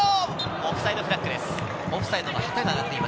オフサイドフラッグです。